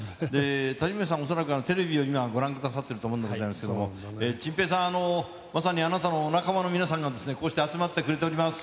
谷村さん、恐らくテレビを今、ご覧くださっていると思いますけれども、チンペイさん、まさにあなたのお仲間の皆さんがこうして集まってくれております。